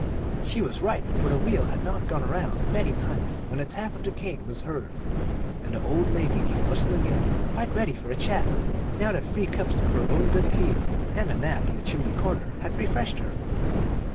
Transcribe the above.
She was right, for the wheel had not gone around many times, when the tap of the cane was heard, and the old lady came rustling in, quite ready for a chat, now that three cups of her own good tea and a nap in the chimney corner had refreshed her.